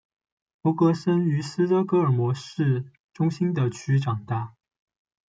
弗格森于斯德哥尔摩市中心的区长大。